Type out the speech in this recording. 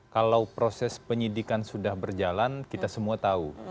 kalau proses penyidikan sudah berjalan kita semua tahu